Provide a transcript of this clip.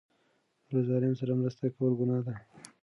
له ظالم سره مرسته کول ګناه ده.